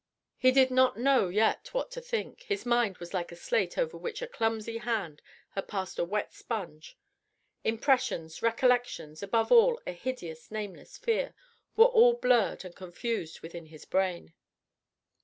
He did not know yet what to think, his mind was like a slate over which a clumsy hand had passed a wet sponge impressions, recollections, above all a hideous, nameless fear, were all blurred and confused within his brain.